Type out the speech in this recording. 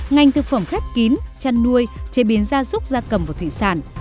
ngành thực phẩm khép kín chăn nuôi chế biến gia súc gia cầm và thủy sản